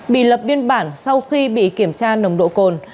bị lập biên bản sau khi bị kiểm tra nồng độ cồn